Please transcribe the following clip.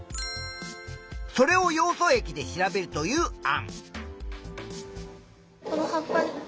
それをヨウ素液で調べるという案。